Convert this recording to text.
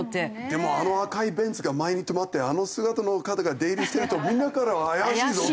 でもあの赤いベンツが前に止まってあの姿の方が出入りしてるとみんなからは「怪しいぞ」と。